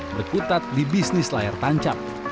berkutat di bisnis layar tancap